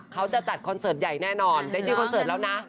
เขาจะจัดคอนเสิร์ตใหญ่แน่นอนได้ชื่อคอนเสิร์ตแล้วนะ